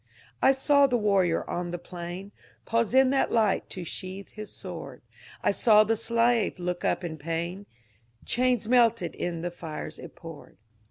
I saw the warrior on the plain Faose in that light to sheathe his sword; I saw the sIato look np in pain, — Chains melted in the fires it poored.